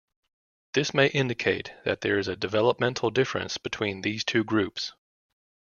This may indicate that there is a developmental difference between these two groups.